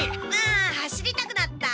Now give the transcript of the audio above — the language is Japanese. あ走りたくなった！